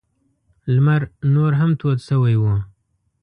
لمر نور هم تود شوی و.